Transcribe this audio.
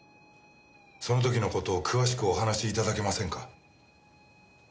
その時の事を詳しくお話し頂けませんか？